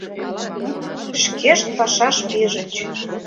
Шкешт пашаш пижыч.